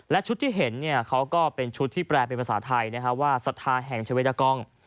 และชุดที่เห็นเขาก็เป็นชุดที่แปลเป็นภาษาไทยว่าศรัทธาแห่งชเวดากอง